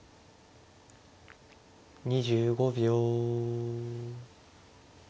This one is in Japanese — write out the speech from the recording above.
２５秒。